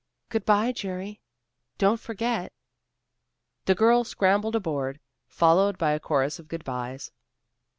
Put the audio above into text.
"Good by, Jerry. Don't forget." The girls scrambled aboard, followed by a chorus of good byes.